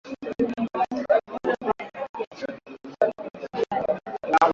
Wanajeshi kumi na moja wa Burkina Faso